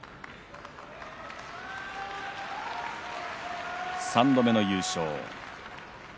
拍手３度目の優勝。